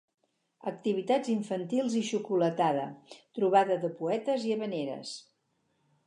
Activitats infantils i xocolatada, trobada de poetes i havaneres.